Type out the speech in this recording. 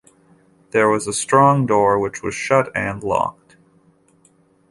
There was a strong door, which was shut and locked..